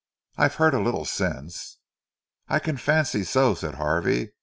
"I've heard a little since." "I can fancy so," said Harvey.